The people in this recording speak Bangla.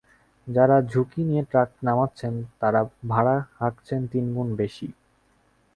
যাঁরা ঝুঁকি নিয়ে ট্রাক নামাচ্ছেন, তাঁরা ভাড়া হাঁকছেন তিন গুণ বেশি।